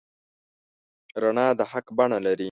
رڼا د حق بڼه لري.